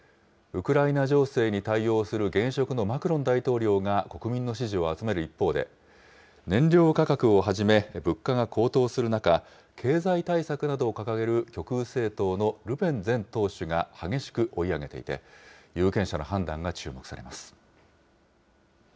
ウクライナ情勢に対応する現職のマクロン大統領が国民の支持を集める一方で、燃料価格をはじめ物価が高騰する中、経済対策などを掲げる極右政党のルペン前党首が激しく追い上げていて、有権者の判断が注目されます。